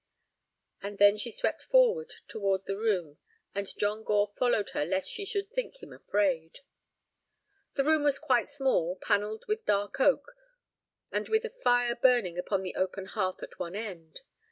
And then she swept forward toward the room, and John Gore followed her lest she should think him afraid. The room was quite small, panelled with dark oak, and with a fire burning upon the open hearth at one end.